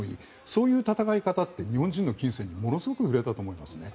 そういう戦い方って日本人の琴線にものすごく触れたと思いますね。